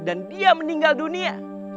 dan dia meninggal dunia